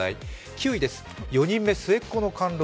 ９位です、４人目末っ子の貫禄。